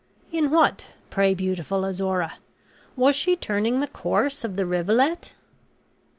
"In what, pray, beautiful Azora? Was she turning the course of the rivulet?"